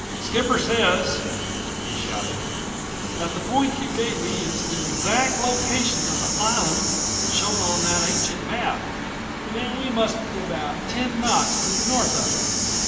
"Skipper says," he shouted, "that the point you gave me is the exact location of the island shown on that ancient map and that we must be about ten knots to the north of it.